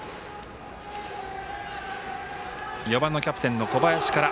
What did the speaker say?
４番のキャプテンの小林から。